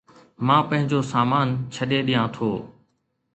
مان پنهنجو سامان ڇڏي ڏيان ٿو